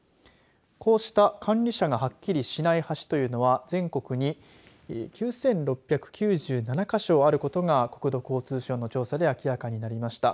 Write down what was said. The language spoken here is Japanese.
こうした管理者がはっきりしない橋というのは全国に９６９７か所あることが国土交通省の調査で明らかになりました。